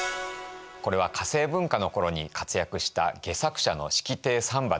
これは化政文化の頃に活躍した戯作者の式亭三馬です。